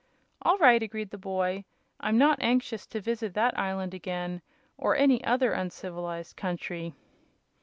"All right," agreed the boy; "I'm not anxious to visit that island again, or any other uncivilized country."